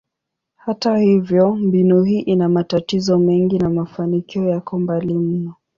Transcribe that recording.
Hata hivyo, mbinu hii ina matatizo mengi na mafanikio yako mbali mno.